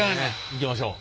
いきましょう。